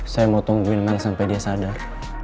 saya mau tungguin mana sampai dia sadar